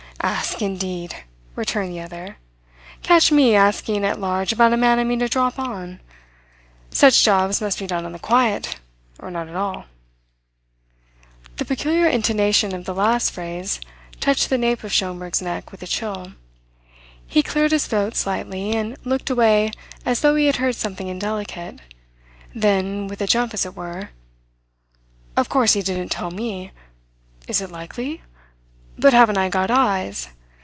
"Ask, indeed!" returned the other. "Catch me asking at large about a man I mean to drop on! Such jobs must be done on the quiet or not at all." The peculiar intonation of the last phrase touched the nape of Schomberg's neck with a chill. He cleared his throat slightly and looked away as though he had heard something indelicate. Then, with a jump as it were: "Of course he didn't tell me. Is it likely? But haven't I got eyes?